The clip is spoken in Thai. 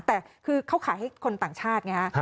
แต่คือเขาขายให้คนต่างชาติไงฮะ